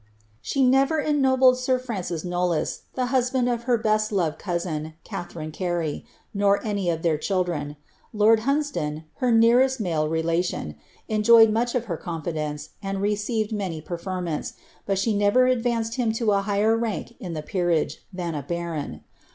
' She never ennobled sir Francis Knollys, the husband of her besi loved cousin, Kalherine Carey, nor any of their children. Lord Huns don, her nearest male relation, enjoyed much of her confidence, »iiJ received many preferments, but she never advanced him to a higher rant in the peerage ihan a baron.